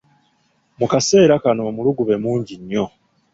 Mu kaseera kano omulugube mungi nnyo.